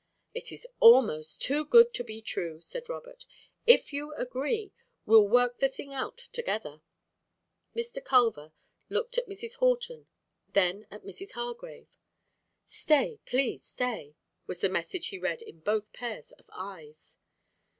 "It is almost too good to be true!" said Robert. "If you agree, we'll work the thing out together." Mr. Culver looked at Mrs. Horton, then at Mrs. Hargrave. "Stay; please stay!" was the message he read in both pairs of eyes.